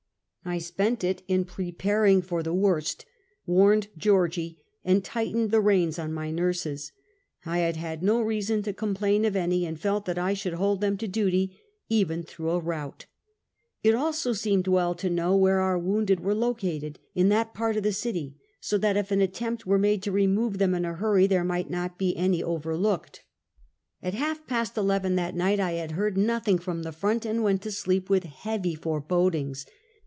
I spent it in preparing for the worst, warned Geor gie, and tightened the reins on my nurses. I had had no reason to complain of any, and felt tliat I should hold them to duty, even through a rout. It also seemed well to know where our wounded were located, in that part of the city, so that if an attempt were made to remove them, in a hurry, there might not be any overlooked. More Victims and a Change of Base. 331 At half past eleven that niglit I had heard nothing from the front, and went to sleep, with heavy forebod ings.